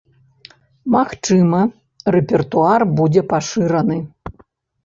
Магчыма, рэпертуар будзе пашыраны.